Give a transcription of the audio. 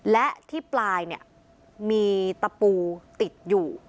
และที่ปลายมีตปูติดอยู่